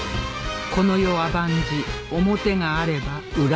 この世は万事表があれば裏がある